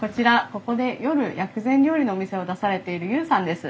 ここで夜薬膳料理のお店を出されている悠さんです。